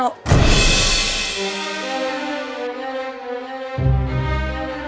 kau tak bisa